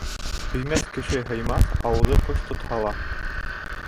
Һөймәҫ кеше һыймаҫ, ауыҙы ҡош тотһа ла